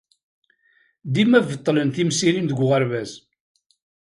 Dima beṭṭlen timsirin deg uɣerbaz.